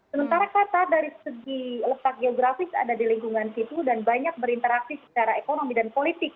sementara kata dari segi letak geografis ada di lingkungan situ dan banyak berinteraksi secara ekonomi dan politik